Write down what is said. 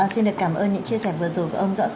xin được cảm ơn những chia sẻ vừa rồi của ông rõ